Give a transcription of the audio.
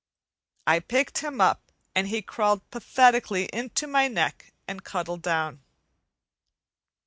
I picked him up, and he crawled pathetically into my neck and cuddled down.